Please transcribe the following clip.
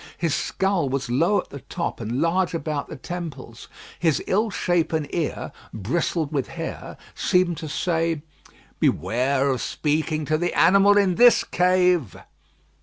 His skull was low at the top and large about the temples. His ill shapen ear, bristled with hair, seemed to say, "Beware of speaking to the animal in this cave."